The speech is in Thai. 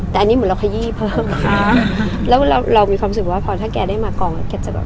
แต่อันนี้หมดเราคยี่เพิ่มแล้วเรามีความสุขก็เผาแล้วถ้าแกได้มากรอยก็จะแบบ